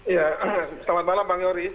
ya selamat malam bang yori